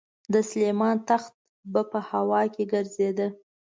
د سلیمان تخت به په هوا کې ګرځېده.